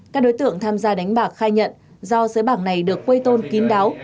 các đối tượng tham gia đánh bạc khai nhận do xứ bạc này được quây tôn kín đáo